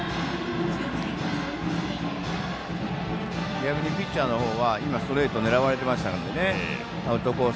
逆にピッチャーの方は今、ストレート狙われてたのでアウトコース